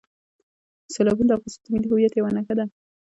سیلابونه د افغانستان د ملي هویت یوه نښه ده.